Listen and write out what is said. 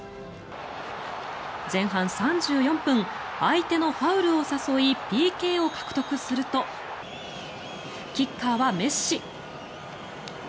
前半３４分相手のファウルを誘いＰＫを獲得するとキッカーはメッシ。